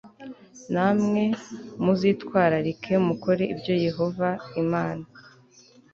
namwe muzitwararike mukore ibyo yehova imana